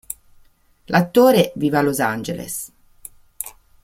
L'attore vive a Los Angeles.